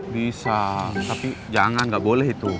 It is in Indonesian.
bisa tapi jangan nggak boleh itu